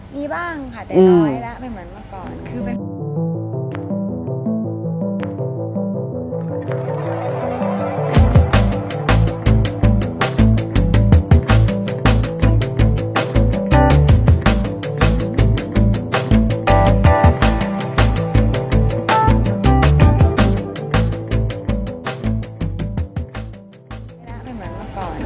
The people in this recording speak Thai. มีบ้างค่ะแต่น้อยแล้วเป็นเหมือนเมื่อก่อน